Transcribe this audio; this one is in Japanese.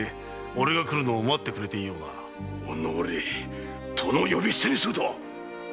おのれ殿を呼び捨てにするとは！